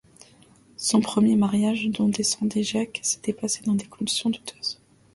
Son premier mariage, dont descendait Jacques, s'était passé dans des conditions douteuses.